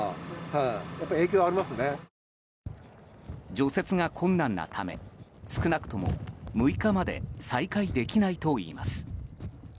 除雪が困難なため少なくとも６日まで再開できないといいます。